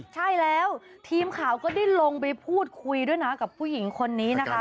ใช่แล้วทีมข่าวก็ได้ลงไปพูดคุยด้วยนะกับผู้หญิงคนนี้นะคะ